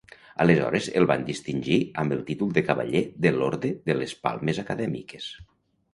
Aleshores el van distingir amb el títol de Cavaller de l'Orde de les Palmes Acadèmiques.